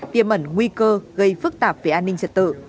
tiêm ẩn nguy cơ gây phức tạp về an ninh trật tự